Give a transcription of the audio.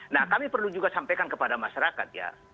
nah kami perlu juga sampaikan kepada masyarakat ya